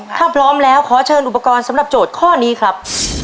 ถ้าพร้อมแล้วขอเชิญอุปกรณ์สำหรับโจทย์ข้อนี้ครับ